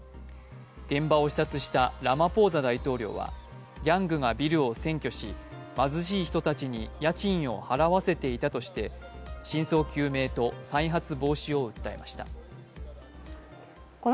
現場を視察したラマポーザ大統領はギャングがビルを占拠し貧しい人たちに家賃を払わせていたとして真相究明と再発防止を訴えました。